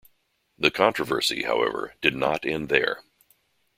The controversy, however, did not end there.